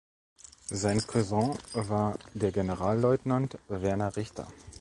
Sein Cousin war der Generalleutnant Werner Richter.